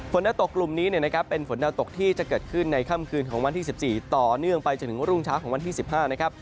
นักตกกลุ่มนี้นะครับเป็นฝนดาวตกที่จะเกิดขึ้นในค่ำคืนของวันที่๑๔ต่อเนื่องไปจนถึงรุ่งเช้าของวันที่๑๕นะครับ